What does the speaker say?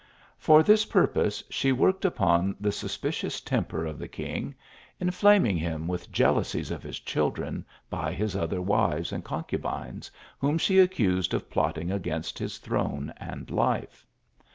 For this purpose she worked upon the suspicious temper of the king ; inflaming him with jealousies of his children by his other wives and concubines, whom she accused of plotting against his throne and life.